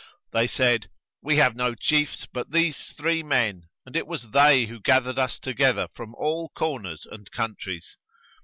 They said, "We have no chiefs but these three men and it was they who gathered us together from all corners and countries."